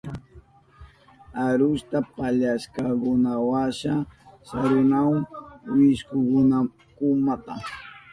Arusta pallashkankunawasha sarunahun wishkuchinankunapa.